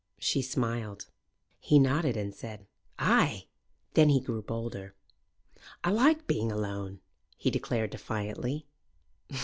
She smiled. He nodded and said, "Ay!" Then he grew bolder. "I like being alone," he declared defiantly.